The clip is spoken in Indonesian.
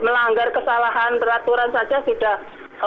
melanggar kesalahan peraturan saja sudah